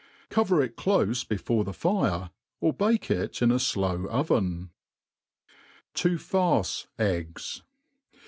Cover it clofe before the fire^ or bake it in a flow oven. To farce Eggs.